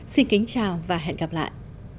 xin kính chào và hẹn gặp lại